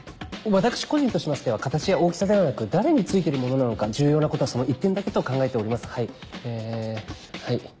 私個人としましては形や大きさではなく誰についてるものなのか重要なことはその一点だけと考えておりますはいえはい。